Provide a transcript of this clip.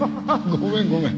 ごめんごめん。